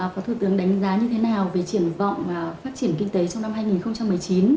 phó thủ tướng đánh giá như thế nào về triển vọng phát triển kinh tế trong năm hai nghìn một mươi chín